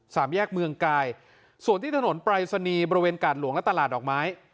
สามแยกเมืองกายส่วนที่ถนนปรายศนีย์บริเวณกาดหลวงและตลาดดอกไม้